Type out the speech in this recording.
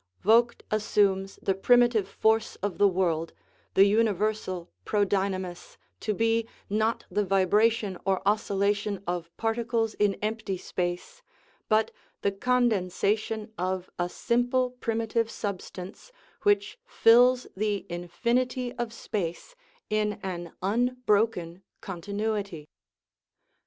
Vogt assumes the primitive force of the world, the universal prodynamis, to be, not the vibration or oscillation of particles in empty space, but the condensation of a simple primitive substance, which fills the infinity of space in an un broken continuity.